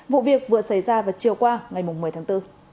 vụ việc vừa xảy ra vào chiều qua ngày một mươi tháng bốn